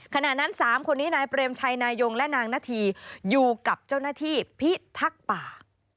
ขณะนั้น๓คนนี้นายเปรมชัยนายงและนางนาธีอยู่กับเจ้าหน้าที่พิทักษ์ป่า